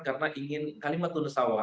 karena ingin kalimat unesawa